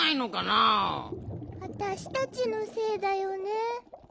あたしたちのせいだよね。